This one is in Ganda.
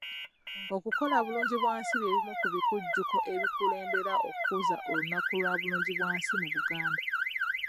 Okukola bulungibwansi by'ebimu ku bikujjuko ebikulembera okukuza olunaku lwa Bulungibwansi mu Buganda.